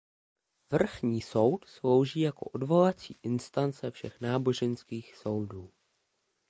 Vrchní soud slouží jako odvolací instance všech náboženských soudů.